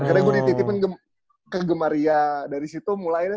akhirnya gue dititipin ke gemaria dari situ mulai deh